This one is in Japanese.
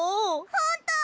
ほんと？